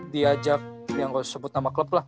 diajak yang kalau disebut nama klub lah